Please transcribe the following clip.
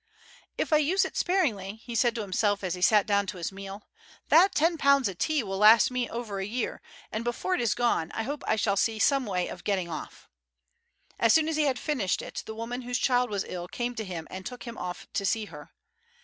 "If I use it sparingly," he said to himself as he sat down to his meal, "that ten pounds of tea will last me over a year, and before it is gone I hope I shall see some way of getting off." As soon as he had finished it the woman whose child was ill came to him and took him off to see her.